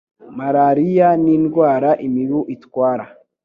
Malariya ni indwara imibu itwara.